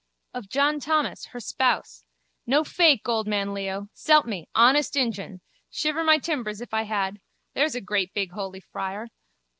Of John Thomas, her spouse. No fake, old man Leo. S'elp me, honest injun. Shiver my timbers if I had. There's a great big holy friar.